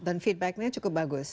dan feedbacknya cukup bagus